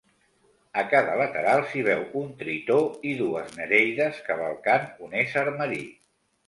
A cada lateral, s'hi veu un tritó i dues nereides cavalcant un ésser marí.